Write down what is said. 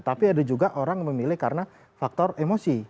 tapi ada juga orang memilih karena faktor emosi